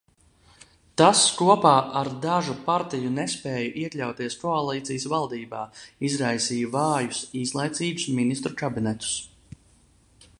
Tas, kopā ar dažu partiju nespēju iekļauties koalīcijas valdībā, izraisīja vājus, īslaicīgus ministru kabinetus.